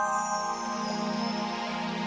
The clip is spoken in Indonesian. enggak bentar ya